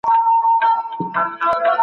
په هره کیسه کي یو راز وي.